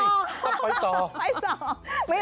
ผมต้องไปก่อน